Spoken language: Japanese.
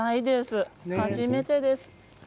初めてです。